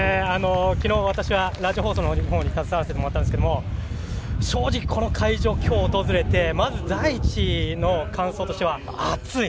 昨日、私はラジオ放送のほうに携わらせてもらったんですけど正直この会場、今日訪れてまず第一の感想として、暑い。